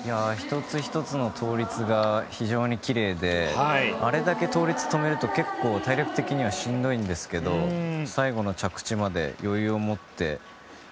１つ１つの倒立が非常に奇麗であれだけ倒立、止めると結構体力的にはしんどいんですけど最後の着地まで余裕を持って。